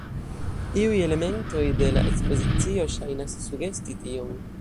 Iuj elementoj de la ekspozicio ŝajnas sugesti tion.